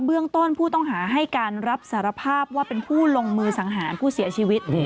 เบื้องต้นผู้ต้องหาให้การรับสารภาพว่าเป็นผู้ลงมือสังหารผู้เสียชีวิต